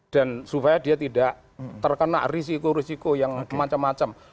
dan supaya dia tidak terkena risiko risiko yang macam macam